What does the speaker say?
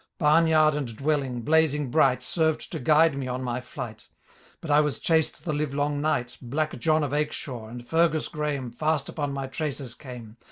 Barn yard and dwelling, blazing bright. Served to guide me on my flight ; But I was chased tiie livelong night. Black John of Akeshaw, and Fergus Graemoj Fast upon my traces came.